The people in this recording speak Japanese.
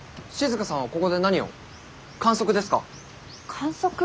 観測？